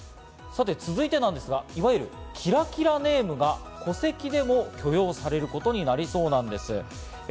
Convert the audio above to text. さて続いてなんですが、いわゆるキラキラネームが戸籍でも許容されることになりそうなんです。